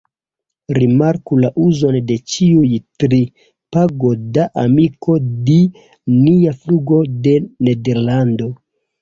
Rimarku la uzon de ĉiuj tri: "pago da amiko di nia flugo de Nederlando".